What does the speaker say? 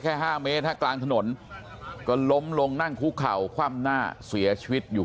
แค่๕เมตรฮะกลางถนนก็ล้มลงนั่งคุกเข่าคว่ำหน้าเสียชีวิตอยู่